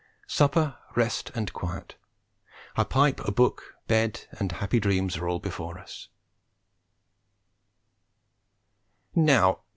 Supper, rest and quiet, a pipe, a book, bed and happy dreams are all before us.